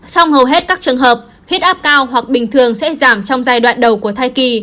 song hầu hết các trường hợp huyết áp cao hoặc bình thường sẽ giảm trong giai đoạn đầu của thai kỳ